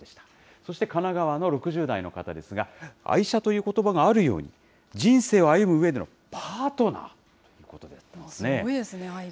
そして神奈川の６０代の方ですが、愛車ということばがあるように、人生を歩むうえでのパートナーということですね。